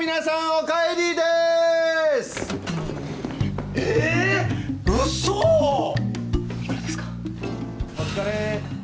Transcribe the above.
お疲れ。